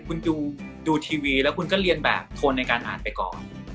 คุณดูทีวีแล้วคุณก็เรียนแบบโทนในการอ่านไปก่อน